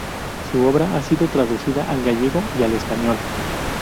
Su obra ha sido traducida al gallego y al español.